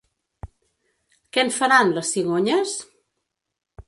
Què en faran, les cigonyes?